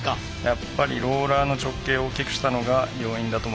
やっぱりローラーの直径を大きくしたのが要因だと思います。